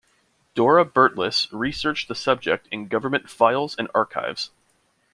Dora Birtles researched the subject in government files and archives.